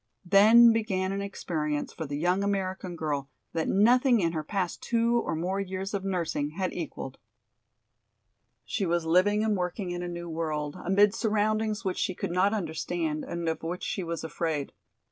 Then began an experience for the young American girl that nothing in her past two or more years of nursing had equaled. She was living and working in a new world, amid surroundings which she could not understand and of which she was afraid.